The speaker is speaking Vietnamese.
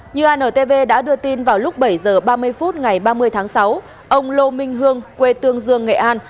như antv đã đưa tin vào lúc bảy h ba mươi phút ngày ba mươi tháng sáu ông lô minh hương quê tương dương nghệ an